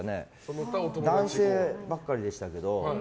男性ばっかりでしたけど。